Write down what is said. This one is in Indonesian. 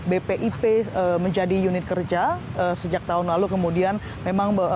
saya bicarakan sejak bpip menjadi unit kerja sejak tahun lalu kemudian memang